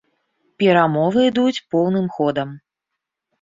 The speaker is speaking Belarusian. Перамовы ідуць поўным ходам.